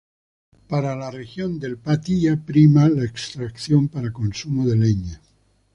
Para la región del Patía prima la extracción para consumo de leña.